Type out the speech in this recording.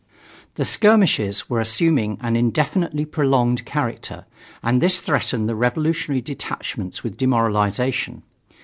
The skirmishes were assuming an indefinitely prolonged character, and this threatened the revolutionary detachments with demoralization.